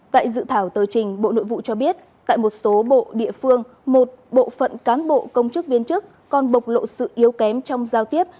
tại dự thảo tờ trình bộ nội vụ cho biết tại một số bộ địa phương một bộ phận cán bộ công chức viên chức còn bộc lộ sự yếu kém trong giao tiếp